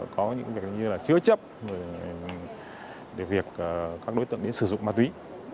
có những việc như là chứa chấp để việc các đối tượng đến sử dụng ma túy